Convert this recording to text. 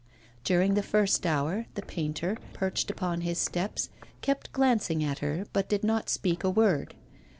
During the first hour, the painter, perched upon his steps, kept glancing at her, but did not speak a word.